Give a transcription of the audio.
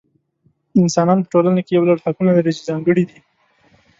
انسانان په ټولنه کې یو لړ حقونه لري چې ځانګړي دي.